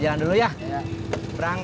ilang artinya udah ya bang